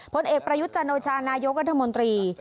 ผลเอกประยุทธ์จันโอชานายกรัฐมนตรี